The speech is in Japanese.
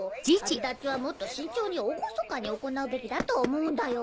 旅立ちはもっと慎重に厳かに行うべきだと思うんだよ。